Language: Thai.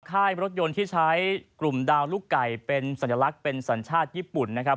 ค่ายรถยนต์ที่ใช้กลุ่มดาวลูกไก่เป็นสัญลักษณ์เป็นสัญชาติญี่ปุ่นนะครับ